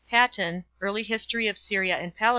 Paton, Early Hist. of Syria and Pal.